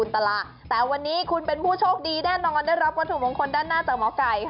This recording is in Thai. ตลาดแต่วันนี้คุณเป็นผู้โชคดีแน่นอนได้รับวัตถุมงคลด้านหน้าจากหมอไก่ค่ะ